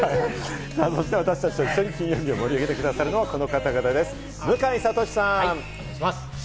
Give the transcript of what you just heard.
そして私たちと一緒に金曜日を盛り上げてくださるのはこの方たちです！